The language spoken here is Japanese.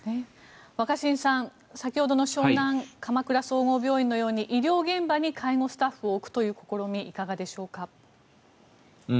若新さん、先ほどの湘南鎌倉総合病院のように医療現場に介護スタッフを置くという試みいかがでしょうか？